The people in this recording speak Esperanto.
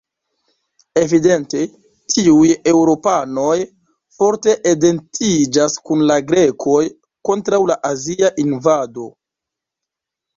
Evidente tiuj eŭropanoj forte identiĝas kun la grekoj kontraŭ la azia invado.